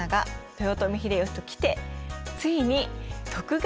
豊臣秀吉ときてついに徳川家康です。